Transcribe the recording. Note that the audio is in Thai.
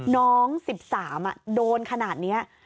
น้อง๑๓โดนขนาดนี้